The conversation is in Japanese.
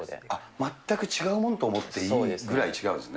全く違うものと思っていいぐらい違うんですね。